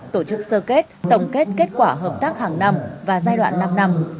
tổ chức sơ kết tổng kết kết quả hợp tác hàng năm và giai đoạn năm năm